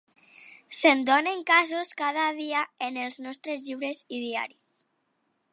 Se'n donen casos cada dia en els nostres llibres i diaris.